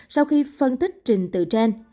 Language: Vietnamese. sau khi phân tích trình tự trên